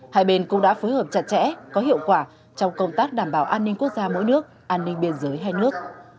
hai bên cũng đã phối hợp chặt chẽ có hiệu quả trong công tác đảm bảo an ninh quốc gia mỗi nước an ninh biên giới hai nước